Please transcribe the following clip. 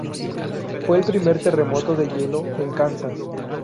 Fue el primer terremoto de hielo en Kansas.